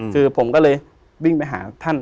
คือผมก็เลยวิ่งไปหาท่าน